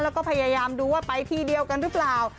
แล้วก็พยายามดูว่าไปที่เดียวกันหรือเปล่า